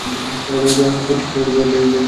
তেত্রিশটি চাবির একটা বড় গোছা।